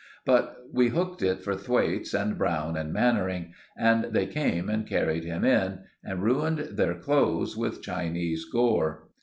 But we hooked it for Thwaites and Browne and Mannering; and they came and carried him in; and ruined their clothes with Chinese gore.